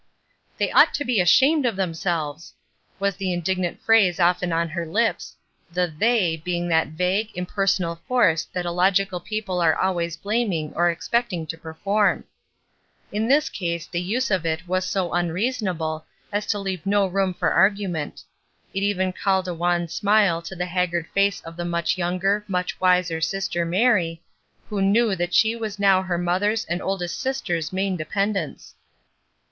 "They ought to be ashamed of themselves!" was the indignant phrase often on her Ups, the 'Hhey" being that vague, impersonal force that illogical people are always blaming or expecting to perform. In this case the use of it was so unreasonable as to leave no room for argument ; it even called a wan smile to the haggard face of the much yoimger, much wiser sister Mary, who knew that she was now her mother's and oldest sister's main dependence.